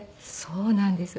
そうなんです。